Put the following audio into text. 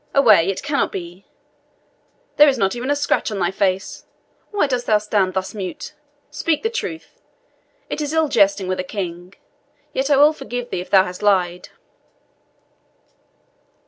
"Away, it cannot be. There is not even a scratch on thy face. Why dost thou stand thus mute? Speak the truth it is ill jesting with a king; yet I will forgive thee if thou hast lied."